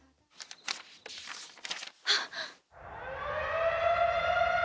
あっ。